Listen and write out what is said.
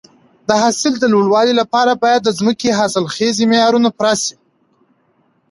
د حاصل د لوړوالي لپاره باید د ځمکې حاصلخیزي معیارونه پوره شي.